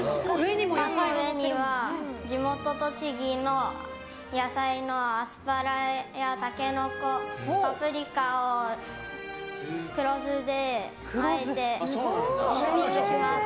その上には地元・栃木のアスパラやタケノコ、パプリカを黒酢であえて、トッピングします。